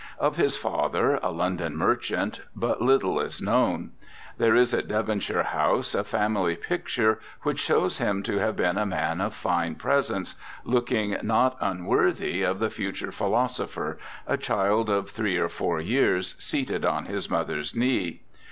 Of his father, a London merchant, but little is known. There is at Devonshire House a family picture which shows him to have been a man of fine presence, looking not unworthy of the future philosopher, a child of three or four years, seated on his mother's knee.